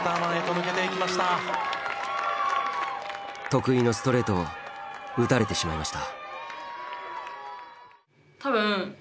得意のストレートを打たれてしまいました。